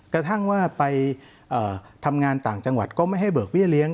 กระทั่งว่าไปทำงานต่างจังหวัดก็ไม่ให้เบิกเบี้ยเลี้ย